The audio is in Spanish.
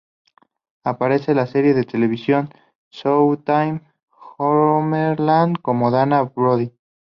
Aparece en la serie de televisión de Showtime "Homeland" como Dana Brody.